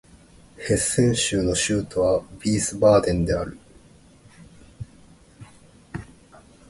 ヘッセン州の州都はヴィースバーデンである